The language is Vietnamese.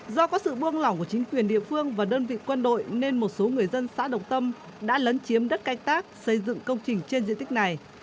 do có sự buông lỏng của chính quyền địa phương và đơn vị quân đội nên một số người dân xã đồng tâm đã lấn chiếm đất canh tác xây dựng công trình trên diện tích này